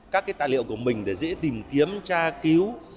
các tài liệu của mình để dễ tìm kiếm tra cứu